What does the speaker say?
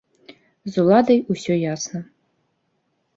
З уладай усё ясна.